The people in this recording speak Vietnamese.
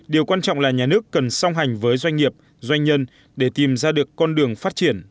điều quan trọng là nhà nước cần song hành với doanh nghiệp doanh nhân để tìm ra được con đường phát triển